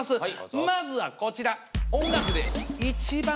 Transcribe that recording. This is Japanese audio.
まずはこちら！